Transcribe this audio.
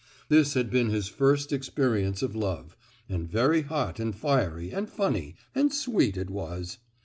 This had been his first experience of love—and very hot and fiery and funny—and sweet it was!